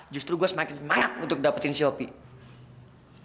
justru gue semakin semangat untuk dapetin si opie